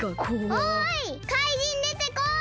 おいかいじんでてこい！